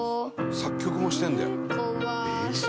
「作曲もしてるんだよ」